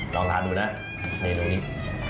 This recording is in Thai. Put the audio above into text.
ลองทานดูนะเมนูนี้